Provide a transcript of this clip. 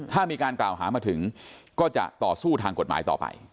ถ้ามีการกล่าวหามาถึงก็จะต่อสู้ทางกฎหมายต่อไป